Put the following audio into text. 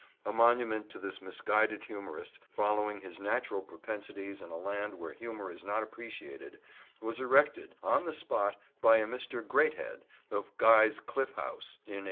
A monument to this misguided humorist, following his natural propensities in a land where humour is not appreciated, was erected on the spot by a Mr. Greathead, of Guy's Cliff House, in 1821.